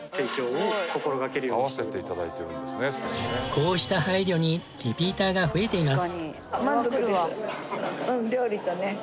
こうした配慮にリピーターが増えています。